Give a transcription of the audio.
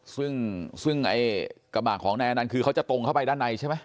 ซึ่งซึ่งกระบะของนายอนันต์คือเขาจะตรงเข้าไปด้านในใช่ไหม